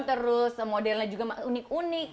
terus modelnya juga unik unik